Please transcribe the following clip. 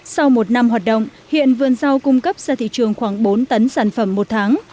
sau một năm hoạt động hiện vườn rau cung cấp ra thị trường khoảng bốn tấn sản phẩm một tháng